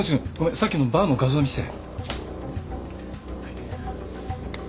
さっきのバーの画像見して。